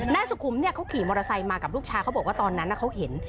นายสุขุมเขาขี่มอเตอร์ไซค์มากับลูกชายเขาบอกว่าตอนนั้นเขาเห็น